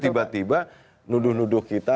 tiba tiba nuduh nuduh kita